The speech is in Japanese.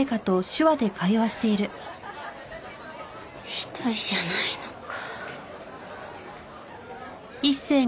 １人じゃないのか。